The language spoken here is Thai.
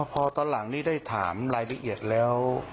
พอตอนหลังนี้ได้ถามรายละเอียดแล้ว